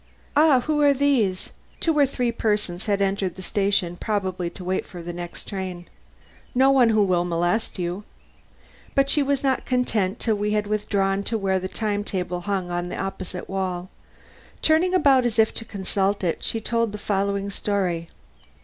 "Ah! who are these?" Two or three persons had entered the station, probably to wait for the next train. "No one who will molest you." But she was not content till we had withdrawn to where the time table hung up on the opposite wall. Turning about as if to consult it, she told the following story.